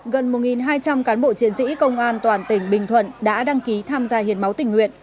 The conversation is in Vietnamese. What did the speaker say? gần một hai trăm linh cán bộ chiến sĩ công an toàn tỉnh bình thuận đã đăng ký tham gia hiến máu tình nguyện